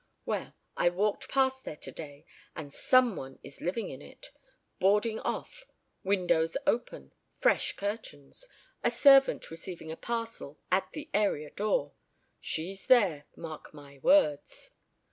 Well, I walked past there today, and some one is living in it. Boarding off. Windows open. Fresh curtains. A servant receiving a parcel at the area door. She's there, mark my words."